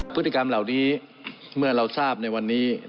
พฤติกรรมเหล่านี้เมื่อเราทราบในวันนี้